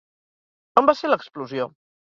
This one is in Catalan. On va ser l'explosió?